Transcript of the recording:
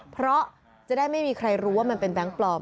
เพราะจะได้ไม่มีใครรู้ว่ามันเป็นแบงค์ปลอม